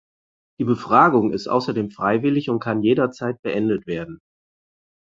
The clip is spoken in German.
Die Befragung ist außerdem freiwillig und kann jederzeit beendet werden.